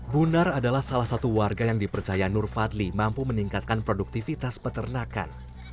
bunar adalah salah satu warga yang dipercaya nur fadli mampu meningkatkan produktivitas peternakan